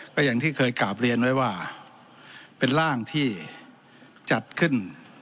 ก็อย่างที่เคยกราบเรียนไว้ว่าเป็นร่างที่จัดขึ้น